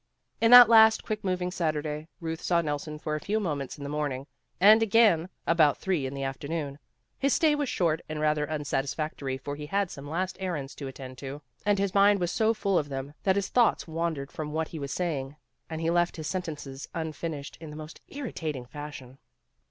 In that last quick moving Saturday, Euth saw Nelson for a few moments in the morning, and again about three in the afternoon. His stay was short and rather unsatisfactory for he had some last errands to attend to, and his mind was so full of them that his thoughts wandered from what he was saying, and he left his sentences unfinished in the most irri tating fashion.